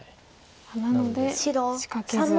なので仕掛けず。